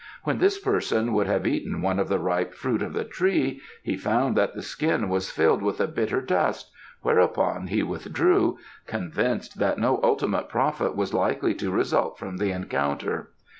When this person would have eaten one of the ripe fruit of the tree he found that the skin was filled with a bitter dust, whereupon he withdrew, convinced that no ultimate profit was likely to result from the encounter.